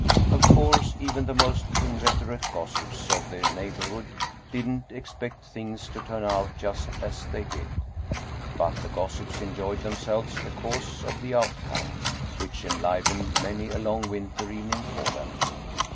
Of course, even the most inveterate gossips of the neighborhood didn't expect things to turn out just as they did. But the gossips enjoyed themselves because of the outcome, which enlivened many a long winter evening for them.